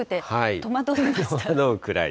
戸惑うくらい。